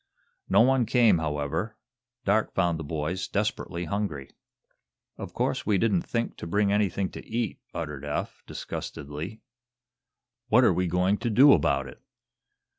No one came, however. Dark found the boys desperately hungry. "Of course we didn't think to bring anything to eat," uttered Eph, disgustedly. "What are we going to do about it?"